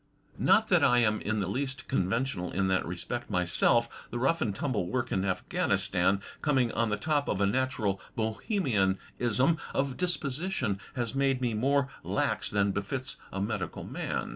Not that I am in the least conventional in that respect myself. The rough and ttunble work in Afghanistan, coming on the top of a natural Bohemianism of disposition, has made me rather more lax than befits a medical man.